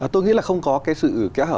tôi nghĩ là không có cái sự kẽ hở